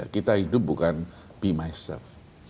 kita hidup bukan be myself